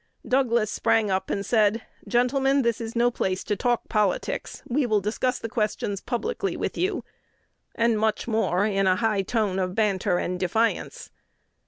Douglas sprang up and said, "Gentlemen, this is no place to talk politics: we will discuss the questions publicly with you," and much more in a high tone of banter and defiance.